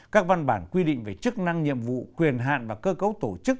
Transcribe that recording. các văn bản quy định về chức năng nhiệm vụ quyền hạn và cơ cấu tổ chức